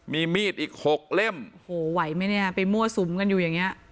มีมีดอีกหกเล่มโอ้โหไหวไหมเนี่ยไปมั่วสุมกันอยู่อย่างเงี้ย